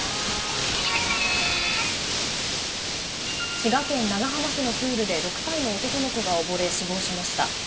滋賀県長浜市のプールで６歳の男の子が溺れ死亡しました。